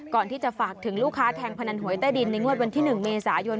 ก่อนที่จะฝากถึงลูกค้าแทงพนันหวยใต้ดินในงวดวันที่๑เมษายน